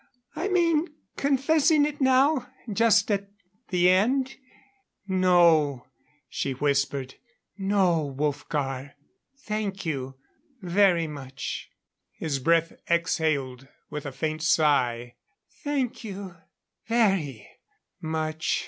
I mean confessing it now just at the end?" "No," she whispered. "No, Wolfgar." "Thank you very much." His breath exhaled with a faint sigh. "Thank you very much.